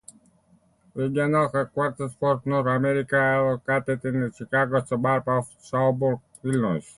Regional headquarters for North America are located in the Chicago suburb of Schaumburg, Illinois.